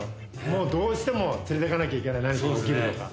もうどうしても連れてかなきゃいけない何かが起きるとか。